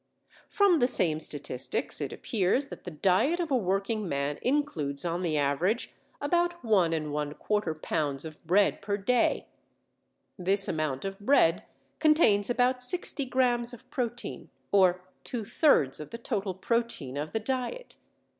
From the same statistics it appears that the diet of a working man includes on the average about 1¼ lb. of bread per day. This amount of bread contains about 60 grams of protein, or two thirds of the total protein of the diet.